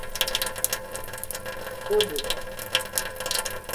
cômoda